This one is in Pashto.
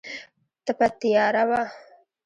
تپه تیاره وه.